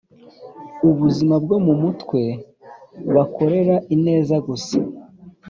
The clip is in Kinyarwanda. Ubuzima bwo mu mutwe bakorera ineza gusa